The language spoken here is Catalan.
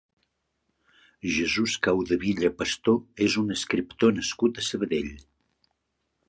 Jesús Caudevilla Pastor és un escriptor nascut a Sabadell.